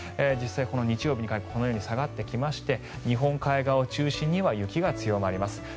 実際に日曜日にかけてこのように下がってきまして日本海側を中心に雪が強まります。